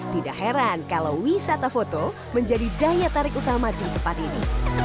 tidak heran kalau wisata foto menjadi daya tarik utama di tempat ini